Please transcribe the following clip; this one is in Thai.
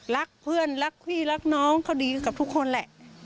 รักเพื่อนรักพี่รักน้องเขาดีกับทุกคนแหละ